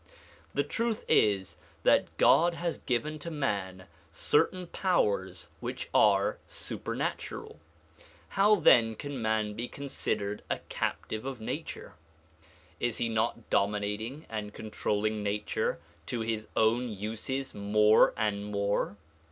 The truth is that God has given to man certain powers which are super natural. How then can man be considered a captive of nature? Is he not dominating and controlling nature to his own uses more and more?